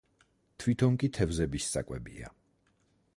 თვითონ კი თევზების საკვებია.